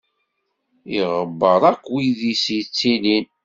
Iɣebbeṛ akk wid i s-yettilin.